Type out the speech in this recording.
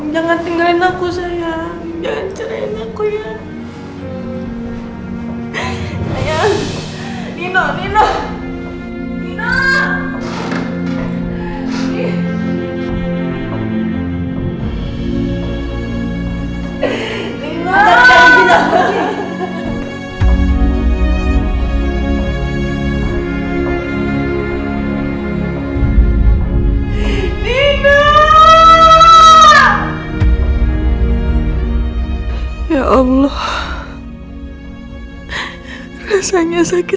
jangan tinggalin aku